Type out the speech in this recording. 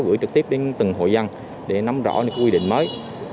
gửi trực tiếp đến từng hội dân để nắm rõ những quy định mới